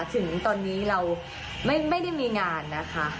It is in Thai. ถึงตอนนี้เราไม่ได้มีงานนะคะ